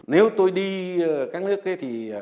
nếu tôi đi các nước ấy thì